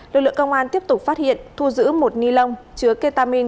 lực lượng công an tiếp tục phát hiện thu giữ một ni lông chứa ketamin